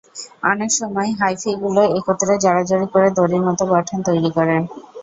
অনেক সময় হাইফিগুলো একত্রে জড়াজড়ি করে দড়ির মতো গঠন তৈরি করে।